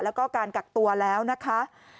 แล้วก็การกักตัวแล้วนะคะ